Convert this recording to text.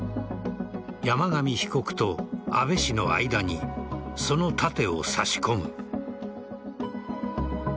山上被告と安倍氏の間にその盾を差し込む。